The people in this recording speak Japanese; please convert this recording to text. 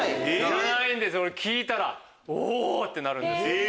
これ聞いたらお！ってなるんですよ。